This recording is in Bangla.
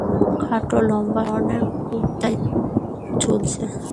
খাটো, লম্বা সব ধরনের কুর্তাই চলছে।